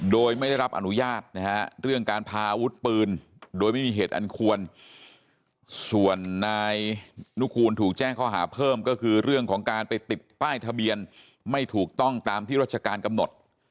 โดยไม่ได้รับอนุญาตนะฮะเรื่องการพาอาวุธปืนโดยไม่มีเหตุอันควรส่วนนายนุคูณถูกแจ้งข้อหาเพิ่มก็คือเรื่องของการไปติดป้ายทะเบียนไม่ถูกต้องตามที่รัชการกำหนด